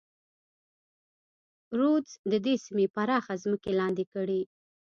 رودز د دې سیمې پراخه ځمکې لاندې کړې.